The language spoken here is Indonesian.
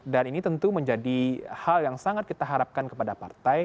dan ini tentu menjadi hal yang sangat kita harapkan kepada partai